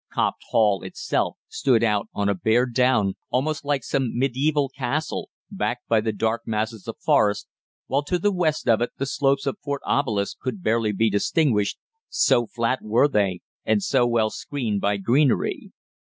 Copped Hall itself stood out on a bare down almost like some mediæval castle, backed by the dark masses of forest, while to the west of it the slopes of Fort Obelisk could barely be distinguished, so flat were they and so well screened by greenery.